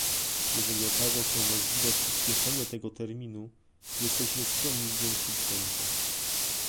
Jeżeli okaże się możliwe przyspieszenie tego terminu, jesteśmy skłonni zwiększyć tempo